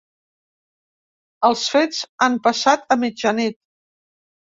Els fets han passat a mitjanit.